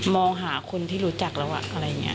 มองหาคนที่รู้จักแล้วอะไรอย่างนี้